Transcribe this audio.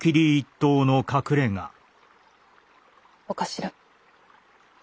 お頭。